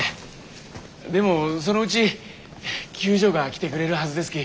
でもそのうち救助が来てくれるはずですき。